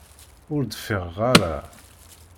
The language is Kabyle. Ur d-fiɣeɣ ara.